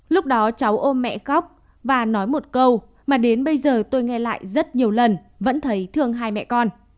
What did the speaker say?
lúc đó cháu ô mẹ cóc và nói một câu mà đến bây giờ tôi nghe lại rất nhiều lần vẫn thấy thương hai mẹ con